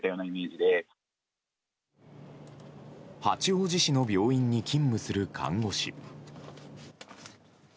八王子市の病院に勤務する看護師。